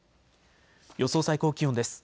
予想最高気温です。